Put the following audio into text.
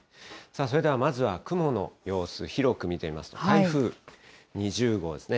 それではまずは雲の様子、広く見てみますと、台風２０号ですね。